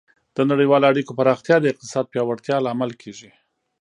د نړیوالو اړیکو پراختیا د اقتصاد پیاوړتیا لامل کیږي.